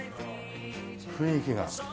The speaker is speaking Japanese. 雰囲気が。